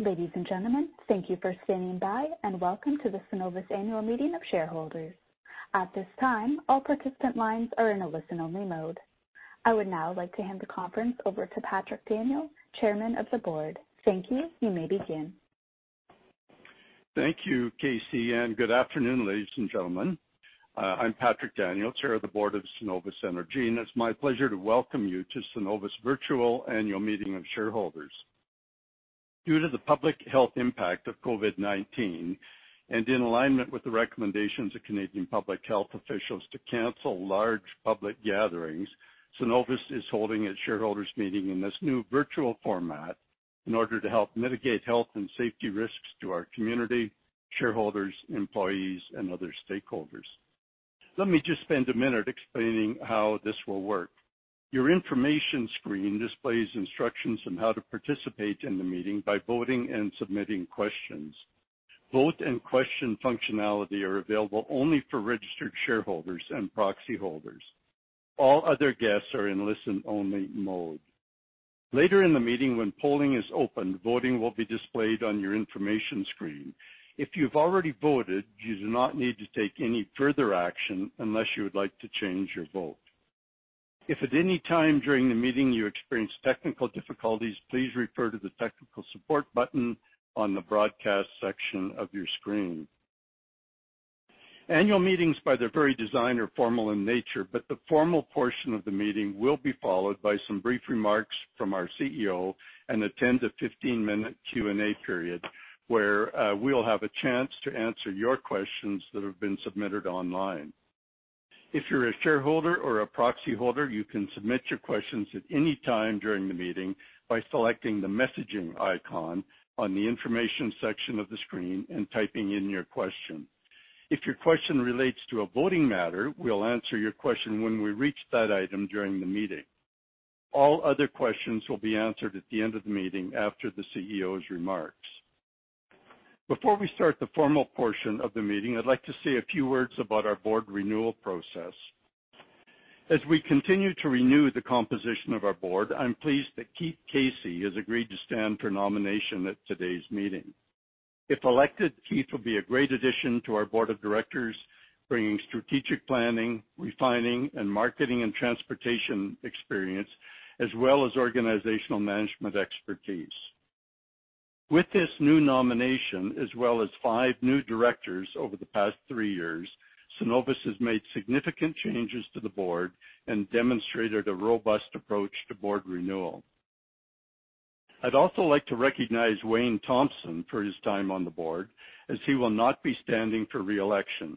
Ladies and gentlemen, thank you for standing by, and welcome to the Cenovus Annual Meeting of Shareholders. At this time, all participant lines are in a listen-only mode. I would now like to hand the conference over to Patrick Daniel, Chairman of the Board. Thank you. You may begin. Thank you, Casey, and good afternoon, ladies and gentlemen. I'm Patrick Daniel, Chair of the Board of Cenovus Energy. It's my pleasure to welcome you to Cenovus Virtual Annual Meeting of Shareholders. Due to the public health impact of COVID-19, and in alignment with the recommendations of Canadian public health officials to cancel large public gatherings, Cenovus is holding its shareholders' meeting in this new virtual format in order to help mitigate health and safety risks to our community, shareholders, employees, and other stakeholders. Let me just spend a minute explaining how this will work. Your information screen displays instructions on how to participate in the meeting by voting and submitting questions. Vote and question functionality are available only for registered shareholders and proxy holders. All other guests are in listen-only mode. Later in the meeting, when polling is opened, voting will be displayed on your information screen. If you've already voted, you do not need to take any further action unless you would like to change your vote. If at any time during the meeting you experience technical difficulties, please refer to the technical support button on the broadcast section of your screen. Annual meetings, by their very design, are formal in nature, but the formal portion of the meeting will be followed by some brief remarks from our CEO and a 10-15-minute Q&A period where we'll have a chance to answer your questions that have been submitted online. If you're a shareholder or a proxy holder, you can submit your questions at any time during the meeting by selecting the messaging icon on the information section of the screen and typing in your question. If your question relates to a voting matter, we'll answer your question when we reach that item during the meeting. All other questions will be answered at the end of the meeting after the CEO's remarks. Before we start the formal portion of the meeting, I'd like to say a few words about our board renewal process. As we continue to renew the composition of our board, I'm pleased that Keith Casey has agreed to stand for nomination at today's meeting. If elected, Keith will be a great addition to our board of directors, bringing strategic planning, refining, and marketing and transportation experience, as well as organizational management expertise. With this new nomination, as well as five new directors over the past three years, Cenovus has made significant changes to the board and demonstrated a robust approach to board renewal. I'd also like to recognize Wayne Thompson for his time on the board, as he will not be standing for reelection.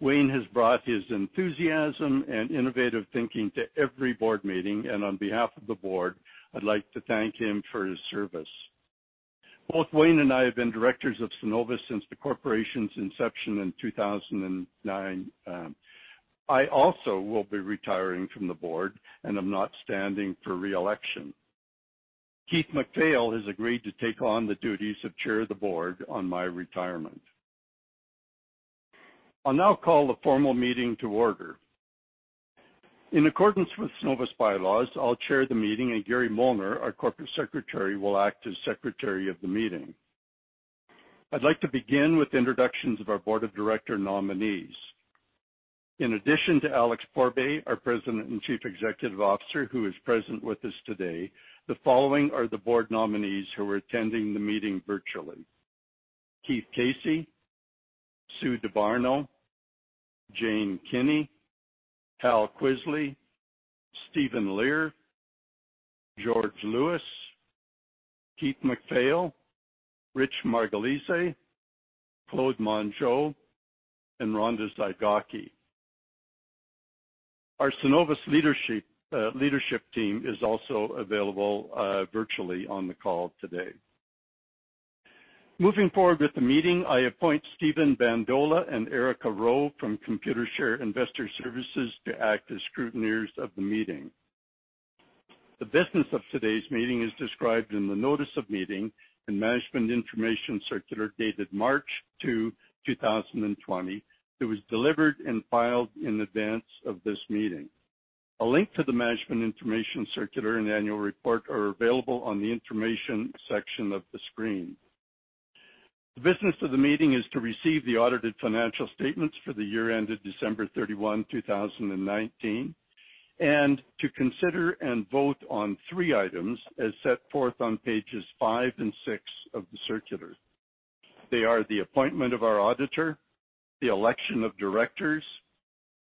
Wayne has brought his enthusiasm and innovative thinking to every board meeting, and on behalf of the board, I'd like to thank him for his service. Both Wayne and I have been directors of Cenovus since the corporation's inception in 2009. I also will be retiring from the board and am not standing for reelection. Keith McFadden has agreed to take on the duties of Chair of the Board on my retirement. I'll now call the formal meeting to order. In accordance with Cenovus bylaws, I'll chair the meeting, and Gary Molnar, our Corporate Secretary, will act as Secretary of the meeting. I'd like to begin with introductions of our board of director nominees. In addition to Alex Pourbaix, our President and Chief Executive Officer, who is present with us today, the following are the board nominees who are attending the meeting virtually: Keith Casey, Sue DiBiase, Jane Kinney, Hal Kvisle, Stephen Laut, George Lewis, Keith McFadden, Rich Marcogliese, Claude Mongeau, and Rhonda Oosterhuis. Our Cenovus leadership team is also available virtually on the call today. Moving forward with the meeting, I appoint Stephen Bandola and Erica Rowe from Computershare Investor Services to act as scrutineers of the meeting. The business of today's meeting is described in the notice of meeting and management information circular dated March 2, 2020, that was delivered and filed in advance of this meeting. A link to the management information circular and annual report are available on the information section of the screen. The business of the meeting is to receive the audited financial statements for the year ended December 31, 2019, and to consider and vote on three items as set forth on pages five and six of the circular. They are the appointment of our auditor, the election of directors,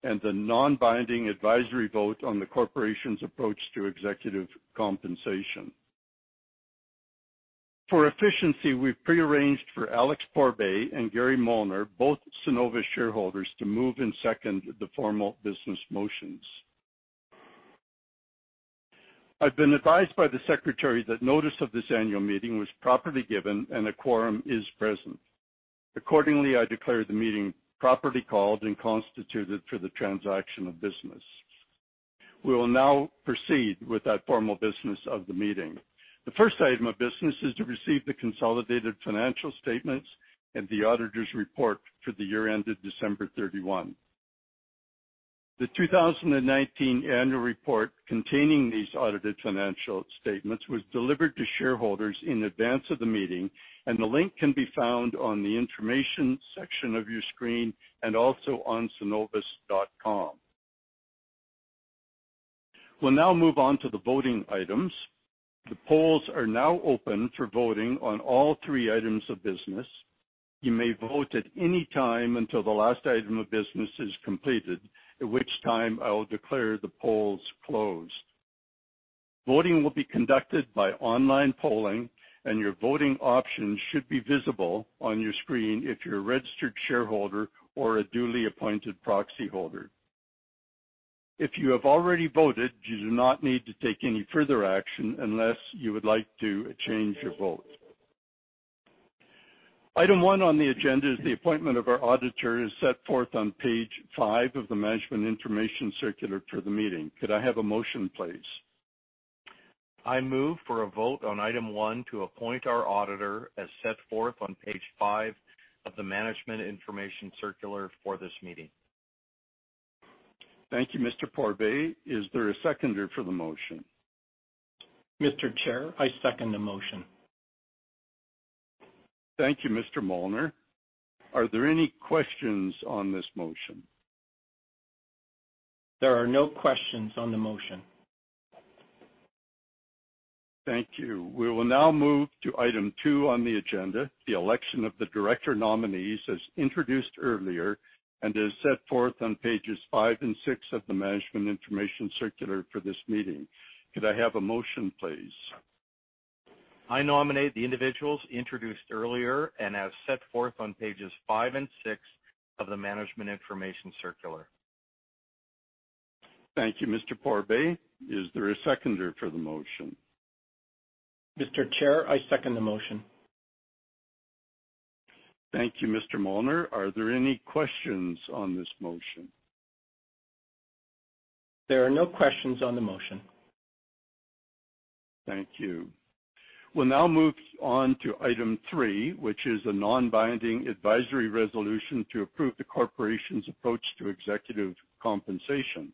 and the non-binding advisory vote on the corporation's approach to executive compensation. For efficiency, we've prearranged for Alex Pourbaix and Gary Molnar, both Cenovus shareholders, to move and second the formal business motions. I've been advised by the secretary that notice of this annual meeting was properly given and a quorum is present. Accordingly, I declare the meeting properly called and constituted for the transaction of business. We will now proceed with that formal business of the meeting. The first item of business is to receive the consolidated financial statements and the auditor's report for the year ended December 31. The 2019 annual report containing these audited financial statements was delivered to shareholders in advance of the meeting, and the link can be found on the information section of your screen and also on cenovus.com. We'll now move on to the voting items. The polls are now open for voting on all three items of business. You may vote at any time until the last item of business is completed, at which time I'll declare the polls closed. Voting will be conducted by online polling, and your voting options should be visible on your screen if you're a registered shareholder or a duly appointed proxy holder. If you have already voted, you do not need to take any further action unless you would like to change your vote. Item one on the agenda is the appointment of our auditor as set forth on page five of the management information circular for the meeting. Could I have a motion, please? I move for a vote on item one to appoint our auditor as set forth on page five of the management information circular for this meeting. Thank you, Mr. Pourbaix. Is there a seconder for the motion? Mr. Chair, I second the motion. Thank you, Mr. Molnar. Are there any questions on this motion? There are no questions on the motion. Thank you. We will now move to item two on the agenda, the election of the director nominees as introduced earlier and as set forth on pages five and six of the management information circular for this meeting. Could I have a motion, please? I nominate the individuals introduced earlier and as set forth on pages five and six of the management information circular. Thank you, Mr. Pourbaix. Is there a seconder for the motion? Mr. Chair, I second the motion. Thank you, Mr. Molnar. Are there any questions on this motion? There are no questions on the motion. Thank you. We'll now move on to item three, which is a non-binding advisory resolution to approve the corporation's approach to executive compensation.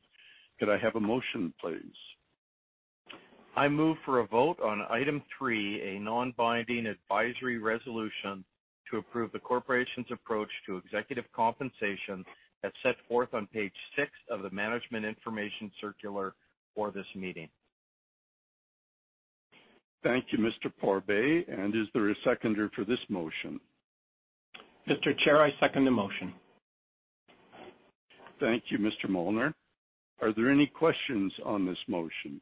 Could I have a motion, please? I move for a vote on item three, a non-binding advisory resolution to approve the corporation's approach to executive compensation as set forth on page six of the management information circular for this meeting. Thank you, Mr. Pourbaix. Is there a seconder for this motion? Mr. Chair, I second the motion. Thank you, Mr. Molnar. Are there any questions on this motion?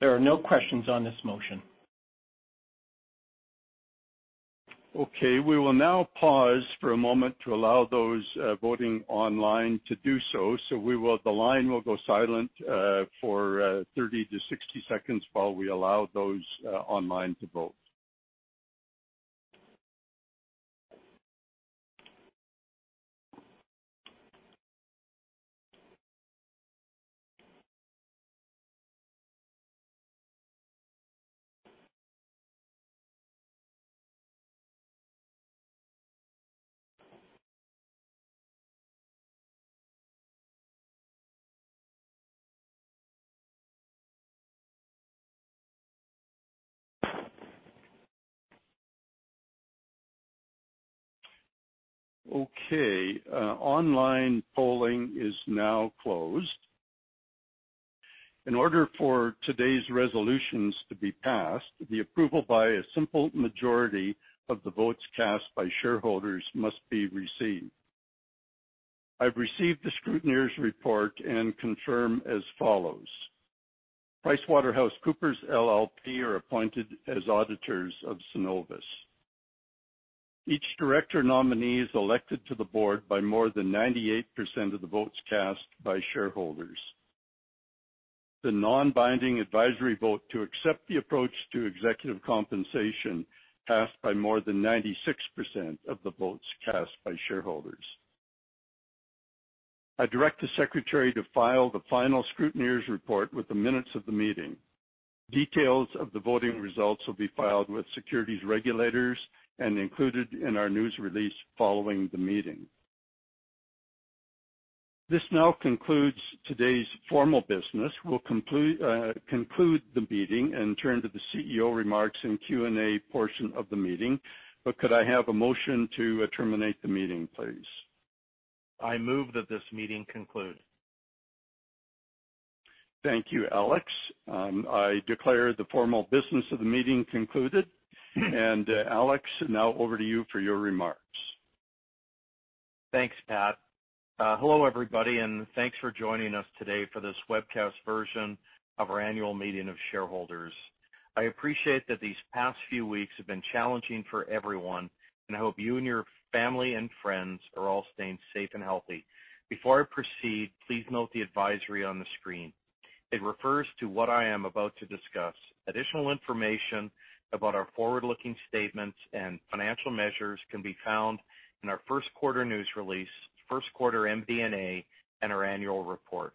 There are no questions on this motion. Okay. We will now pause for a moment to allow those voting online to do so. The line will go silent for 30 to 60 seconds while we allow those online to vote. Okay. Online polling is now closed. In order for today's resolutions to be passed, the approval by a simple majority of the votes cast by shareholders must be received. I've received the scrutineers' report and confirm as follows. PricewaterhouseCoopers LLP are appointed as auditors of Cenovus. Each director nominee is elected to the board by more than 98% of the votes cast by shareholders. The non-binding advisory vote to accept the approach to executive compensation passed by more than 96% of the votes cast by shareholders. I direct the secretary to file the final scrutineers' report with the minutes of the meeting. Details of the voting results will be filed with securities regulators and included in our news release following the meeting. This now concludes today's formal business. We will conclude the meeting and turn to the CEO remarks and Q&A portion of the meeting. Could I have a motion to terminate the meeting, please? I move that this meeting conclude. Thank you, Alex. I declare the formal business of the meeting concluded. Alex, now over to you for your remarks. Thanks, Pat. Hello, everybody, and thanks for joining us today for this webcast version of our annual meeting of shareholders. I appreciate that these past few weeks have been challenging for everyone, and I hope you and your family and friends are all staying safe and healthy. Before I proceed, please note the advisory on the screen. It refers to what I am about to discuss. Additional information about our forward-looking statements and financial measures can be found in our first quarter news release, first quarter MD&A, and our annual report.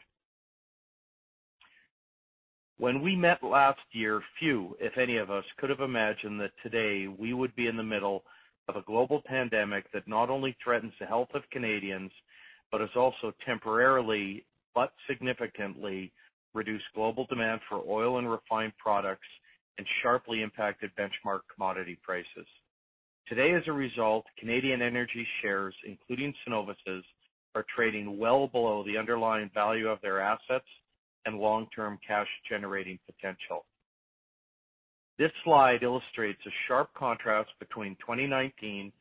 When we met last year, few, if any, of us could have imagined that today we would be in the middle of a global pandemic that not only threatens the health of Canadians but has also temporarily but significantly reduced global demand for oil and refined products and sharply impacted benchmark commodity prices. Today, as a result, Canadian energy shares, including Cenovus's, are trading well below the underlying value of their assets and long-term cash-generating potential. This slide illustrates a sharp contrast between 2019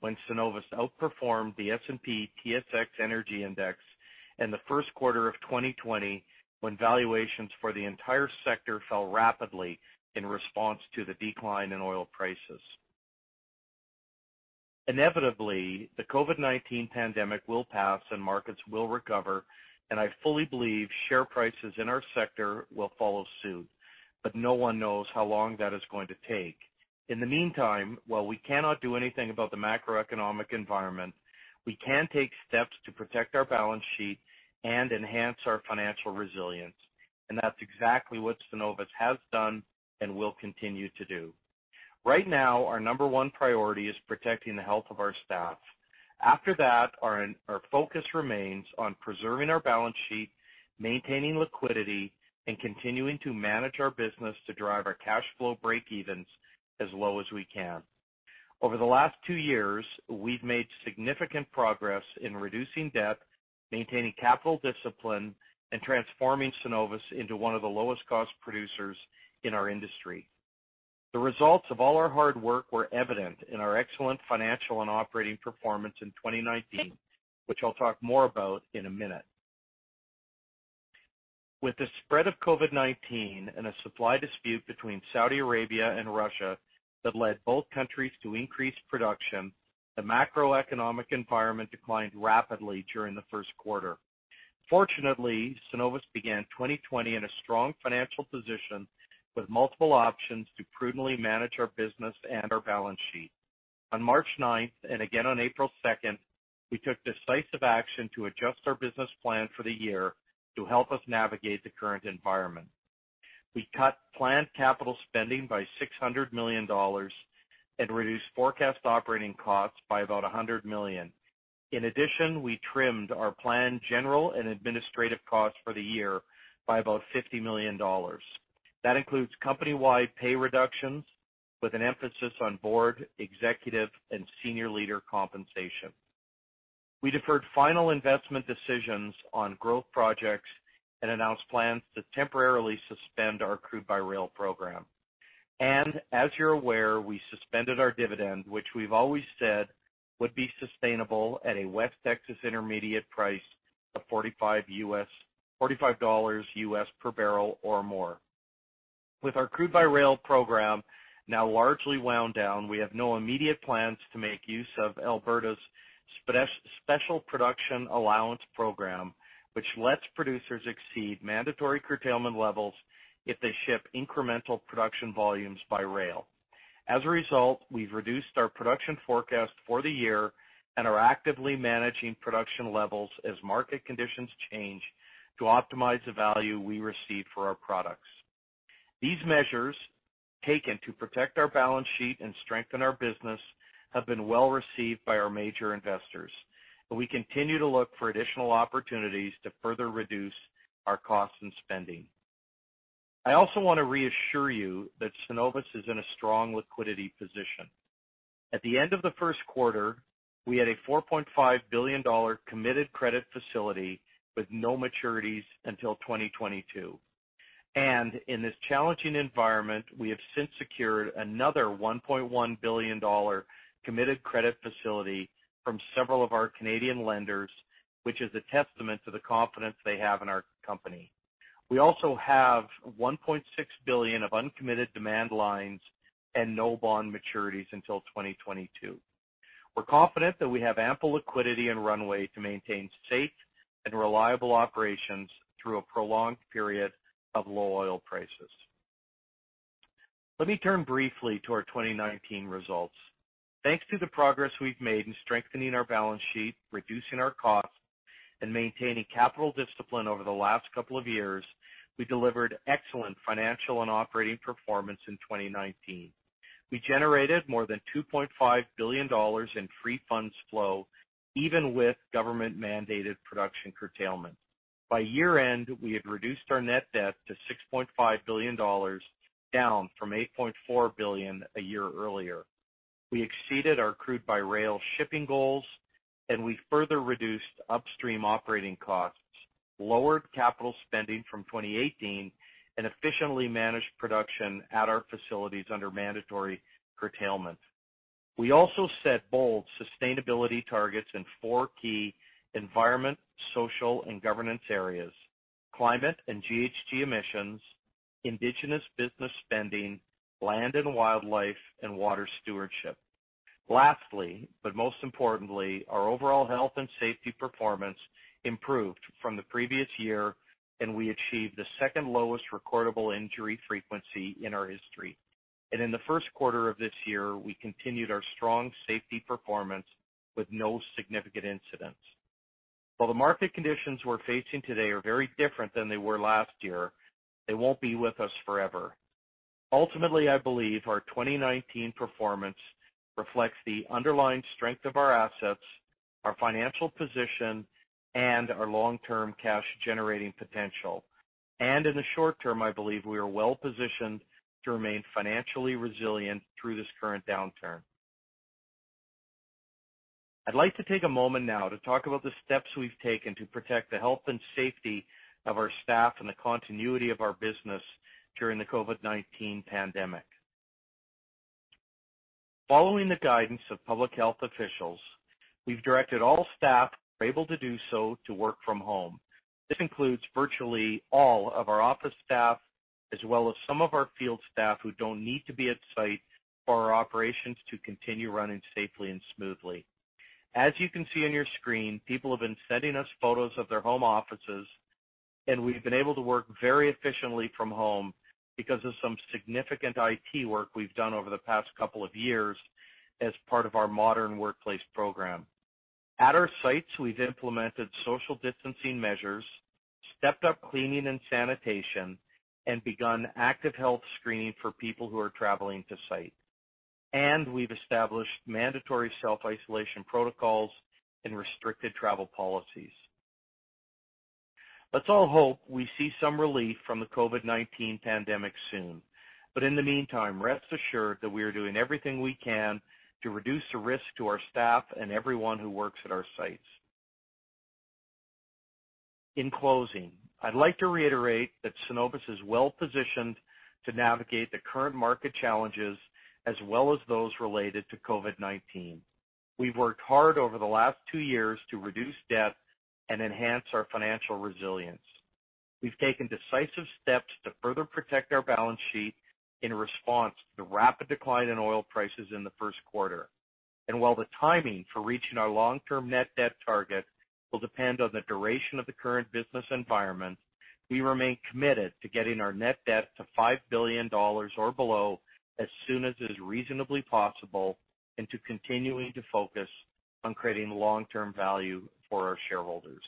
when Cenovus outperformed the S&P/TSX energy index and the first quarter of 2020 when valuations for the entire sector fell rapidly in response to the decline in oil prices. Inevitably, the COVID-19 pandemic will pass and markets will recover, and I fully believe share prices in our sector will follow suit. No one knows how long that is going to take. In the meantime, while we cannot do anything about the macroeconomic environment, we can take steps to protect our balance sheet and enhance our financial resilience. That is exactly what Cenovus has done and will continue to do. Right now, our number one priority is protecting the health of our staff. After that, our focus remains on preserving our balance sheet, maintaining liquidity, and continuing to manage our business to drive our cash flow break-evens as low as we can. Over the last two years, we've made significant progress in reducing debt, maintaining capital discipline, and transforming Cenovus into one of the lowest-cost producers in our industry. The results of all our hard work were evident in our excellent financial and operating performance in 2019, which I'll talk more about in a minute. With the spread of COVID-19 and a supply dispute between Saudi Arabia and Russia that led both countries to increase production, the macroeconomic environment declined rapidly during the first quarter. Fortunately, Cenovus began 2020 in a strong financial position with multiple options to prudently manage our business and our balance sheet. On March 9th and again on April 2nd, we took decisive action to adjust our business plan for the year to help us navigate the current environment. We cut planned capital spending by $600 million and reduced forecast operating costs by about $100 million. In addition, we trimmed our planned general and administrative costs for the year by about $50 million. That includes company-wide pay reductions with an emphasis on board, executive, and senior leader compensation. We deferred final investment decisions on growth projects and announced plans to temporarily suspend our crude by rail program. As you are aware, we suspended our dividend, which we have always said would be sustainable at a West Texas Intermediate price of $45 US per barrel or more. With our crude by rail program now largely wound down, we have no immediate plans to make use of Alberta's special production allowance program, which lets producers exceed mandatory curtailment levels if they ship incremental production volumes by rail. As a result, we've reduced our production forecast for the year and are actively managing production levels as market conditions change to optimize the value we receive for our products. These measures, taken to protect our balance sheet and strengthen our business, have been well received by our major investors. We continue to look for additional opportunities to further reduce our costs and spending. I also want to reassure you that Cenovus is in a strong liquidity position. At the end of the first quarter, we had a $4.5 billion committed credit facility with no maturities until 2022. In this challenging environment, we have since secured another $1.1 billion committed credit facility from several of our Canadian lenders, which is a testament to the confidence they have in our company. We also have $1.6 billion of uncommitted demand lines and no bond maturities until 2022. We're confident that we have ample liquidity and runway to maintain safe and reliable operations through a prolonged period of low oil prices. Let me turn briefly to our 2019 results. Thanks to the progress we've made in strengthening our balance sheet, reducing our costs, and maintaining capital discipline over the last couple of years, we delivered excellent financial and operating performance in 2019. We generated more than $2.5 billion in free funds flow, even with government-mandated production curtailment. By year-end, we had reduced our net debt to $6.5 billion, down from $8.4 billion a year earlier. We exceeded our crude by rail shipping goals, and we further reduced upstream operating costs, lowered capital spending from 2018, and efficiently managed production at our facilities under mandatory curtailment. We also set bold sustainability targets in four key environment, social, and governance areas: climate and GHG emissions, indigenous business spending, land and wildlife, and water stewardship. Lastly, but most importantly, our overall health and safety performance improved from the previous year, and we achieved the second lowest recordable injury frequency in our history. In the first quarter of this year, we continued our strong safety performance with no significant incidents. While the market conditions we're facing today are very different than they were last year, they won't be with us forever. Ultimately, I believe our 2019 performance reflects the underlying strength of our assets, our financial position, and our long-term cash-generating potential. In the short term, I believe we are well positioned to remain financially resilient through this current downturn. I'd like to take a moment now to talk about the steps we've taken to protect the health and safety of our staff and the continuity of our business during the COVID-19 pandemic. Following the guidance of public health officials, we've directed all staff who are able to do so to work from home. This includes virtually all of our office staff, as well as some of our field staff who don't need to be at site for our operations to continue running safely and smoothly. As you can see on your screen, people have been sending us photos of their home offices, and we've been able to work very efficiently from home because of some significant IT work we've done over the past couple of years as part of our modern workplace program. At our sites, we've implemented social distancing measures, stepped up cleaning and sanitation, and begun active health screening for people who are traveling to site. We have established mandatory self-isolation protocols and restricted travel policies. Let's all hope we see some relief from the COVID-19 pandemic soon. In the meantime, rest assured that we are doing everything we can to reduce the risk to our staff and everyone who works at our sites. In closing, I'd like to reiterate that Cenovus is well positioned to navigate the current market challenges as well as those related to COVID-19. We've worked hard over the last two years to reduce debt and enhance our financial resilience. We've taken decisive steps to further protect our balance sheet in response to the rapid decline in oil prices in the first quarter. While the timing for reaching our long-term net debt target will depend on the duration of the current business environment, we remain committed to getting our net debt to $5 billion or below as soon as is reasonably possible and to continuing to focus on creating long-term value for our shareholders.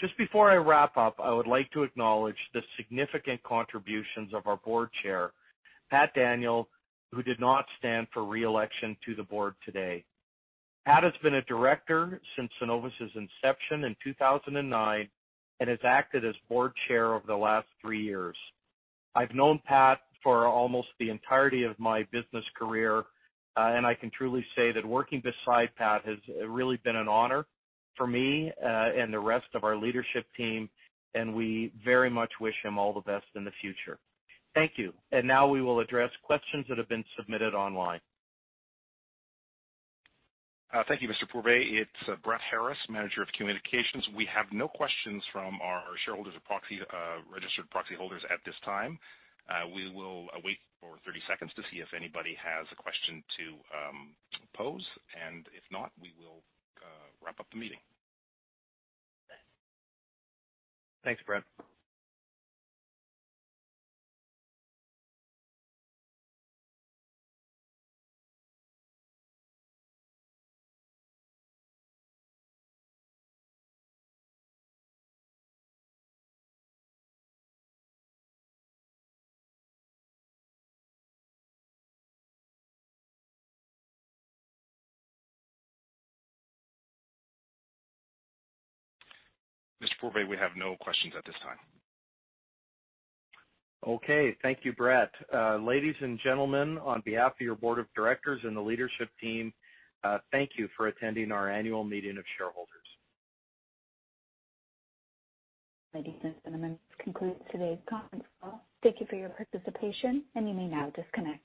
Just before I wrap up, I would like to acknowledge the significant contributions of our Board Chair, Pat Daniel, who did not stand for re-election to the board today. Pat has been a director since Cenovus's inception in 2009 and has acted as Board Chair over the last three years. I've known Pat for almost the entirety of my business career, and I can truly say that working beside Pat has really been an honor for me and the rest of our leadership team, and we very much wish him all the best in the future. Thank you. Now we will address questions that have been submitted online. Thank you, Mr. Pourbaix. It's Brett Harris, manager of communications. We have no questions from our shareholders or registered proxy holders at this time. We will wait for 30 seconds to see if anybody has a question to pose. If not, we will wrap up the meeting. Thanks, Brett. Mr. Pourbaix, we have no questions at this time. Okay. Thank you, Brett. Ladies and gentlemen, on behalf of your board of directors and the leadership team, thank you for attending our annual meeting of shareholders. Ladies and gentlemen, this concludes today's conference call. Thank you for your participation, and you may now disconnect.